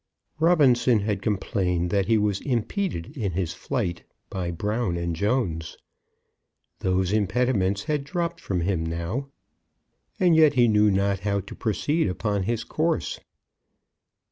Robinson had complained that he was impeded in his flight by Brown and Jones. Those impediments had dropped from him now; and yet he knew not how to proceed upon his course.